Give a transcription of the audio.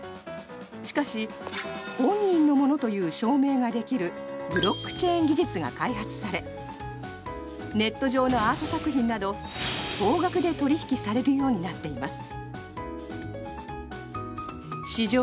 しかし本人のものという証明ができるブロックチェーン技術が開発されネット上のアート作品など高額で取引されるようになっています。